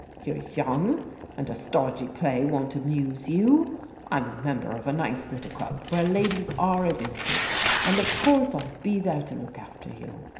You're young, and a stodgy play won't amuse you. I'm a member of a nice little club where ladies are admitted, and of course I'll be there to look after you.